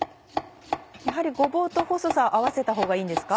やはりごぼうと細さを合わせたほうがいいんですか？